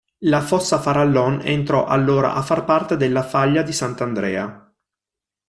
La fossa Farallon entrò allora a far parte della faglia di Sant'Andrea.